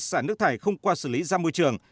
xả nước thải không qua xử lý ra môi trường